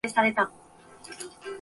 トカゲはのそっと動き出した。